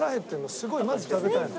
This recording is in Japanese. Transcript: すごいまず食べたいの。